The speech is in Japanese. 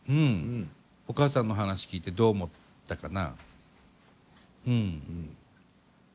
お母さんの話聞いてどう思ったかな？